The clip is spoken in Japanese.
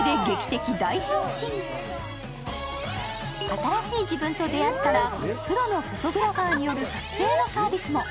新しい自分と出会ったらプロのフォトグラファーによる撮影のサービスも。